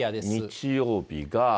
日曜日が。